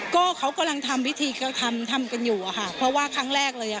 ก็เขากำลังทำพิธีก็ทำทำกันอยู่อะค่ะเพราะว่าครั้งแรกเลยอ่ะ